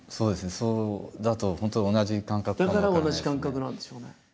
そうだと本当だから同じ感覚なんですよね。